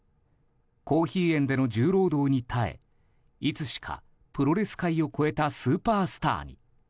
コーヒー園での重労働に耐えいつしかプロレス界を超えたスーパースターに。